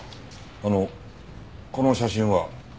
あのこの写真は？